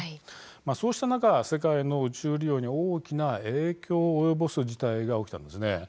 そうした中、世界の宇宙利用に大きな影響を及ぼす事態が起きたんです。